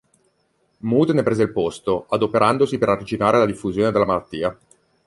Mudd ne prese il posto, adoperandosi per arginare la diffusione della malattia.